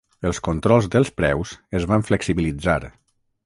Els controls dels preus es van flexibilitzar.